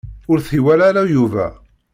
Ur t-iwala ara Yuba.